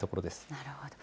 なるほど。